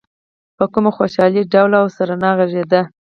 په کومه خوشالۍ ډول او سرنا غږېده.